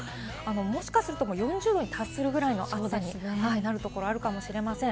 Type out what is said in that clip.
もしかすると４０度に達するくらいの暑さになるところ、あるかもしれません。